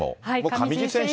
上地選手。